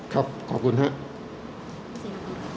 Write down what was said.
ครับขอบคุณครับ